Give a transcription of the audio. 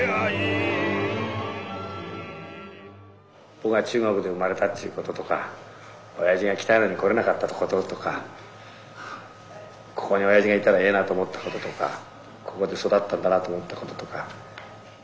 僕が中国で生まれたっていうこととか親父が来たいのに来れなかったこととかここに親父がいたらええなと思ったこととかここで育ったんだなと思ったこととか。